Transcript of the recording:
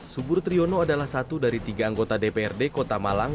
subur triyono adalah satu dari tiga anggota dprd kota malang